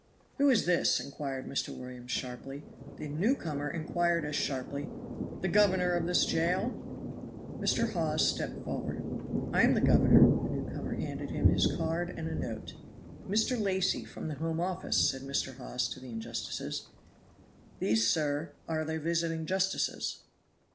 "Who is this?" inquired Mr. Williams sharply. The newcomer inquired as sharply, "The governor of this jail?" Mr. Hawes stepped forward: "I am the governor." The newcomer handed him his card and a note. "Mr. Lacy from the Home Office," said Mr. Hawes to the injustices. "These, sir, are the visiting justices."